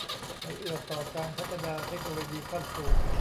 ให้เอื้อต่อการพัฒนาเทคโนโลยีขั้นสูง